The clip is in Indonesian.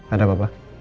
ada apa pak